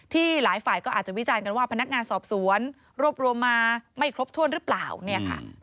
หลายฝ่ายก็อาจจะวิจารณ์กันว่าพนักงานสอบสวนรวบรวมมาไม่ครบถ้วนหรือเปล่าเนี่ยค่ะ